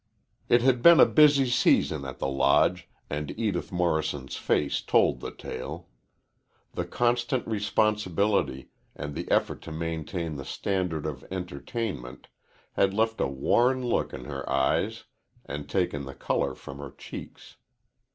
It had been a busy season at the Lodge, and Edith Morrison's face told the tale. The constant responsibility, and the effort to maintain the standard of entertainment, had left a worn look in her eyes and taken the color from her cheeks.